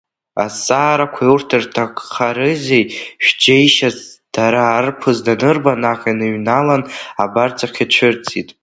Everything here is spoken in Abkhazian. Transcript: Азҵаарақәеи урҭ ирҭакхарызи шџьеишьоз, дара, арԥыс данырба, наҟ иныҩналан, абарҵахь ицәырҵит.